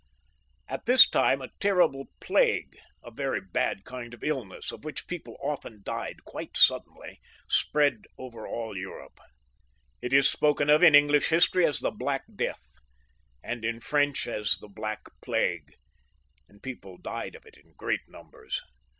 At this time a terrible plague, a very bad kind of illness, of which people often died quite suddenly, spread over all Europe. It is spoken of in English history as the Black Death, and in French as the Black Plague; and people died of it in great numbers.